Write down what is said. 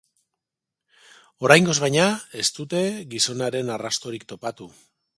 Oraingoz, baina, ez dute gizonaren arrastorik topatu.